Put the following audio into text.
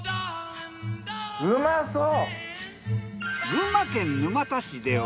うまそう！